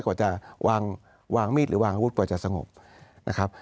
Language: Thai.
กว่าจะวางมีดหรือวางอาวุธกว่าจะสงบนะครับ